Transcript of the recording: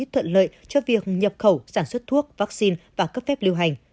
thuận lợi cho việc nhập khẩu sản xuất thuốc vaccine và cấp phép lưu hành